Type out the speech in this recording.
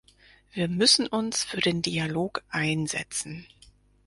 Wir müssen uns für den Dialog einsetzen.